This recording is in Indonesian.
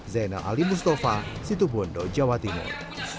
zainal ali mustafa situ bondo jawa timur